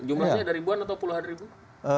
jumlahnya ada ribuan atau puluhan ribu